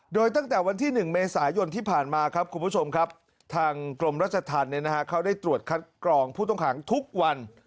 โดยตั้งแต่๑เมษายนที่ผ่านมาทางกรมราชธรรมได้ตรวจคัดกรองผู้ต้งขังทุกวัน